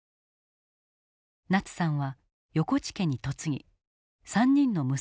ナツさんは横地家に嫁ぎ３人の息子がいた。